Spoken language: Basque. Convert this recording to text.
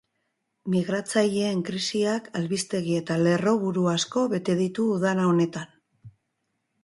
Migratzaileen krisiak albistegi eta lerro-buru asko bete ditu udara honetan.